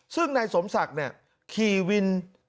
ซึ่งในสมศักดิ์เนี่ย